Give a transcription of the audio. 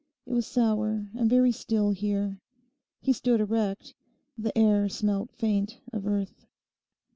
It was sour and very still here; he stood erect; the air smelt faint of earth.